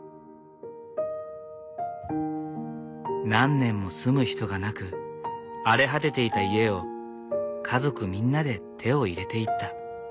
何年も住む人がなく荒れ果てていた家を家族みんなで手を入れていった。